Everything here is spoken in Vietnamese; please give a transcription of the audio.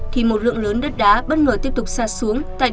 thì một lượng lớn đất đá bất ngờ tiếp tục xa xuống